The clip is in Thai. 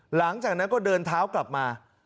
หลังจากนั้นก็เดินเท้ากลับมา